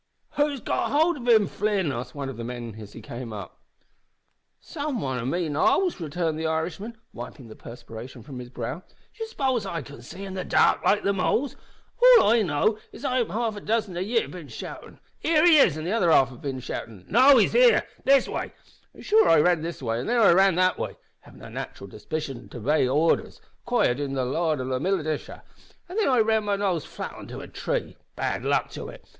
"Who's got hold of him, Flin?" asked one of the men as he came up. "Sorrow wan o' me knows," returned the Irishman, wiping the perspiration from his brow; "d'ye suppose I can see in the dark like the moles? All I know is that half a dozen of ye have bin shoutin' `Here he is!' an' another half dozen, `No, he's here this way!' an' sure I ran this way an' then I ran that way havin' a nat'ral disposition to obey orders, acquired in the Louth Militia an' then I ran my nose flat on a tree bad luck to it!